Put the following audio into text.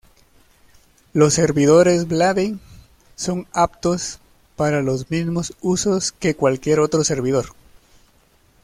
Los servidores blade son aptos para los mismos usos que cualquier otro servidor.